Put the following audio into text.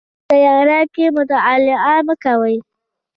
په تیاره کې مطالعه مه کوئ